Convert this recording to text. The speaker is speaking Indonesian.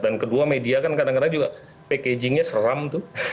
dan kedua media kan kadang kadang juga packagingnya seram tuh